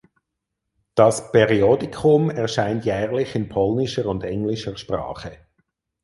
Das Periodikum erscheint jährlich in polnischer und englischer Sprache.